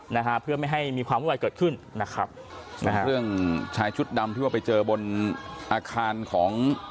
นะฮะเพื่อไม่ให้มีความวุ่นวายเกิดขึ้นนะครับนะฮะเรื่องชายชุดดำที่ว่าไปเจอบนอาคารของ